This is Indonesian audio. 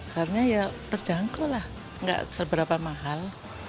karena ya terjangkau lah gak seberapa mahal